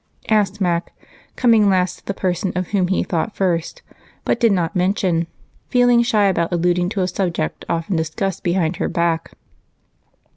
asked Mac, coming last to the person of whom he thought first but did not mention, feeling shy about alluding to a subject often discussed behind her back.